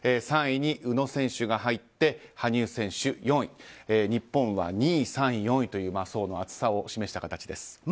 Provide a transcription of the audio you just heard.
３位に宇野選手が入って羽生選手、４位日本は２位、３位、４位という層の厚さを示した形です。